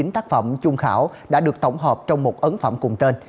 ba mươi chín tác phẩm chung khảo đã được tổng hợp trong một ấn phẩm cùng tên